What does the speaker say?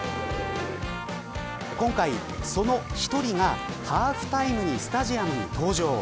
今回、その１人がハーフタイムにスタジアムに登場。